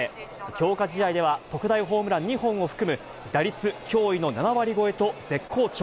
強化試合では特大ホームラン２本を含む打率、驚異の７割超えと絶好調。